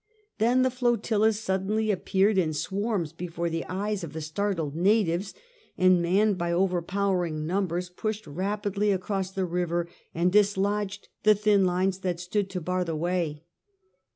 Then the flotillas suddenly appeared in swarms before the eyes of the startled natives, and manned by overpowering numbers, pushed rapidly across the river, and dislodged the thin lines that stood to bar ., the way.